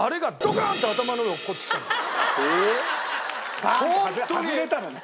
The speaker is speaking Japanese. バーンって外れたのね。